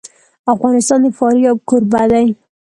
افغانستان د فاریاب کوربه دی.